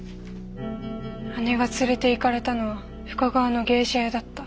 姉が連れていかれたのは深川の芸者屋だった。